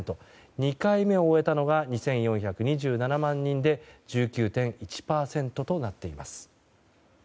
２回目を終えたのが２４２７万人で１９．１％となっています。